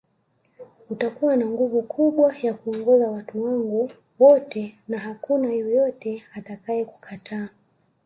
Utakuwa na nguvu kubwa ya kuongoza watu wangu wote na hakuna yeyote atakaye kukataa